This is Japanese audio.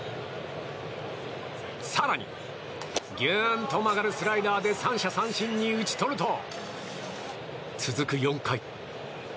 更に、ギューンと曲がるスライダーで三者三振に打ち取ると続く４回。